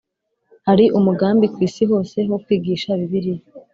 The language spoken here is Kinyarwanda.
Hari umugambi ku isi hose wo kwigisha Bibiliya